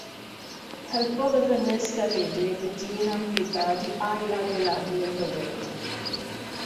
Helpodd y ddynes garedig y dyn amddifad i ailadeiladu ei fywyd.